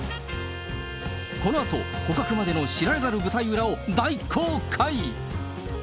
このあと、捕獲までの知られざる舞台裏を大公開。